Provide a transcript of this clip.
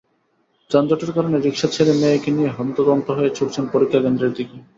যানজটের কারণে রিকশা ছেড়ে মেয়েকে নিয়ে হন্তদন্ত হয়ে ছুটছেন পরীক্ষাকেন্দ্রের দিকে।